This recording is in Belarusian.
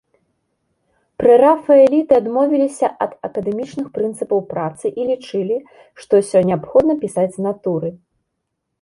Прэрафаэліты адмовіліся ад акадэмічных прынцыпаў працы і лічылі, што ўсё неабходна пісаць з натуры.